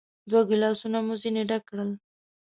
دوه ګیلاسونه مو ځینې ډک کړل.